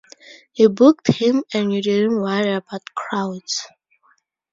You booked him and you didn't worry about crowds.